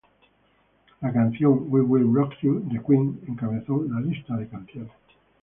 La canción We Will Rock You, de Queen, encabezó la lista de canciones.